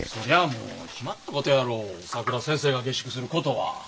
もう決まったことやろうさくら先生が下宿することは。